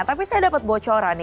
tapi saya dapat bocoran nih